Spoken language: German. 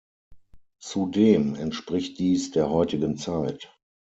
Zudem entspricht dies der heutigen Zeit.